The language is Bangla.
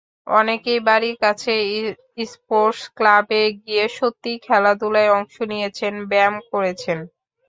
অনেকেই বাড়ির কাছের স্পোর্টস ক্লাবে গিয়ে সত্যিই খেলাধুলায় অংশ নিয়েছেন, ব্যায়াম করেছেন।